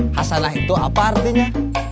khasanah itu apa artinya